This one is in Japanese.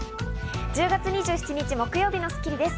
１０月２７日、木曜日の『スッキリ』です。